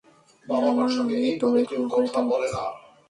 আমায় তুমি ক্ষমা করে দাও।